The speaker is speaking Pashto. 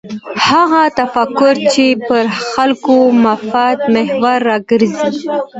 هغه تفکر چې پر خلکو مفاد محور راګرځي.